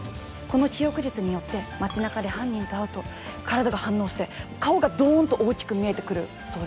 この記憶術によって街なかで犯人と会うと体が反応して顔がドンと大きく見えてくるそうですよ。